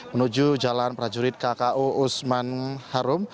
menuju jalan prajurit kku usman harum